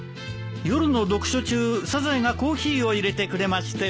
夜の読書中サザエがコーヒーを入れてくれまして。